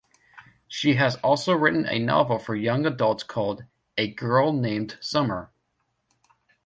She has also written a novel for young adults called "A Girl Named Summer".